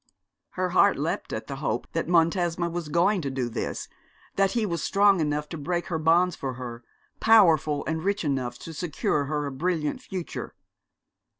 Her heart leapt at the hope that Montesma was going to do this, that he was strong enough to break her bonds for her, powerful and rich enough to secure her a brilliant future.